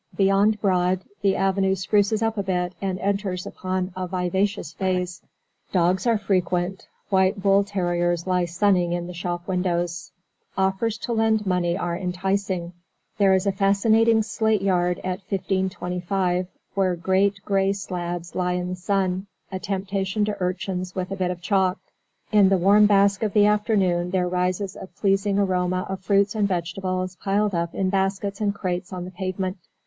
Beyond Broad, the avenue spruces up a bit and enters upon a vivacious phase. Dogs are frequent: white bull terriers lie sunning in the shop windows. Offers to lend money are enticing. There is a fascinating slate yard at 1525, where great gray slabs lie in the sun, a temptation to urchins with a bit of chalk. In the warm bask of the afternoon there rises a pleasing aroma of fruits and vegetables piled up in baskets and crates on the pavement.